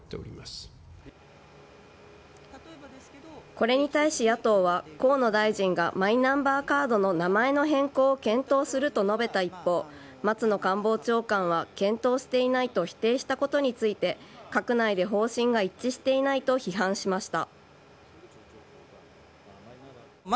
これに対し野党は、河野大臣がマイナンバーカードの名前の変更を検討すると述べた一方松野官房長官は検討していないと否定したことについて閣内で方針が一致していないと批判しました。